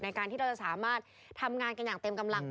การที่เราจะสามารถทำงานกันอย่างเต็มกำลัง